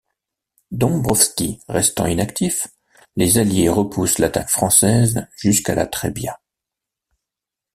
Dombrowski restant inactif, les Alliés repoussent l'attaque française jusqu'à la Trebbia.